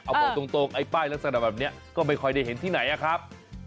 เอาบอกตรงไอ้ป้ายลักษณะแบบนี้ก็ไม่ค่อยได้เห็นที่ไหนอะครับ